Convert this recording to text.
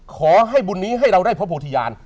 ขอให้บุญนี้ให้เราได้พระโพธิญาณ